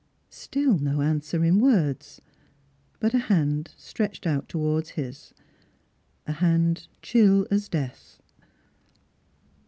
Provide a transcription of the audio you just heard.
Still no answer in words, but a hand stretched out towards his, a hand chiU as death.